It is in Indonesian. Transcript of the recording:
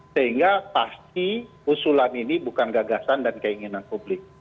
sehingga pasti usulan ini bukan gagasan dan keinginan publik